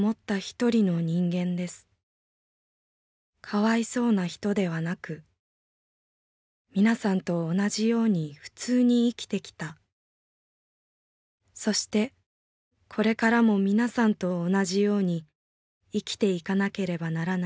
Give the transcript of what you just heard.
『かわいそうな人』ではなくみなさんと同じように普通に生きてきたそしてこれからもみなさんと同じように生きていかなければならない一人の人間です」。